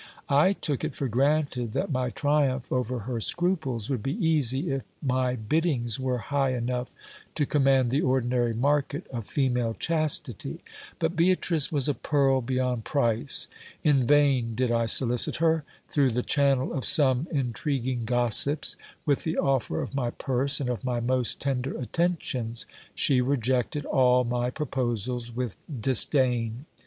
I took it for granted that my triumph over her scruples would be easy if my biddings were hijh enough to command the ordinary market of female chastity ; but Beatrice was a pearl beyond price. In vain did I solicit her, through the channel of 386 GIL BLAS. some intriguing gossips, with the offer of my purse and of my most tender at tentions ; she rejected all my proposals with disdain.